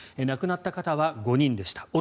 亡くなった方は５人でした。